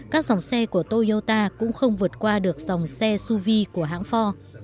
các dòng xe của toyota cũng không vượt qua được dòng xe suv của hãng ford